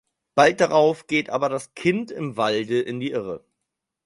Bald darauf geht aber das Kind im Walde in die Irre.